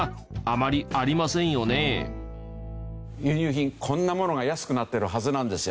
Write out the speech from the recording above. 輸入品こんなものが安くなってるはずなんですよ。